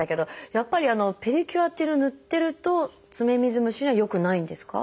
やっぱりペディキュアってぬってると爪水虫には良くないんですか？